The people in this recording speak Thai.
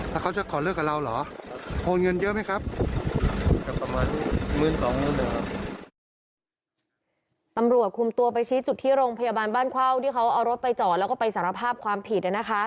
ตำรวจคุมตัวไปชี้จุดที่โรงพยาบาลบ้านเข้าที่เขาเอารถไปจอดแล้วก็ไปสารภาพความผิด